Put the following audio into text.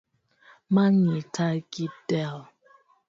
Ma ngita gidel